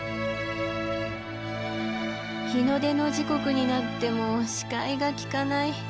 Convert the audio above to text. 日の出の時刻になっても視界がきかない。